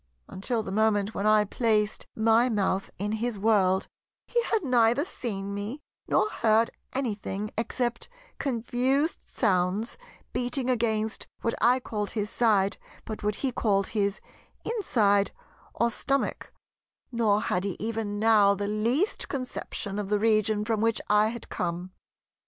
Until the moment when I placed my mouth in his World, he had neither seen me, nor heard anything except confused sounds beating against, what I called his side, but what he called his inside or stomach; nor had he even now the least conception of the region from which I had come.